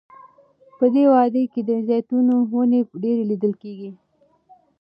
په دې وادۍ کې د زیتونو ونې ډیرې لیدل کیږي.